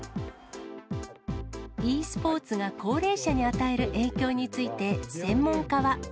ｅスポーツが高齢者に与える影響について、専門家は。